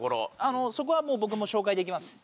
そこは僕も紹介できます。